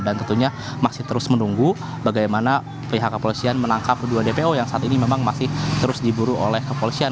dan tentunya masih terus menunggu bagaimana pihak kepolisian menangkap kedua dpo yang saat ini memang masih terus diburu oleh kepolisian